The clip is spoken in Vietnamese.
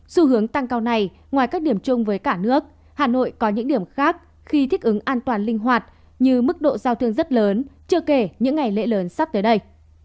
xu hướng tăng cao này ngoài các điểm chung với cả nước hà nội có những điểm khác khi thích ứng an toàn linh hoạt như mức độ giao thương rất lớn chưa kể những ngày lễ lớn sắp tới đây